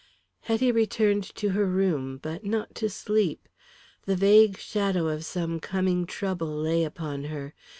Hetty returned to her room, but not to sleep. The vague shadow of some coming trouble lay upon her.